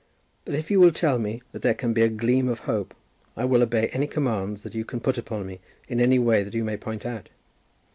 But if you will tell me that there can be a gleam of hope, I will obey any commands that you can put upon me in any way that you may point out.